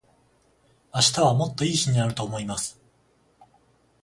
明日はもっと良い日になると思います。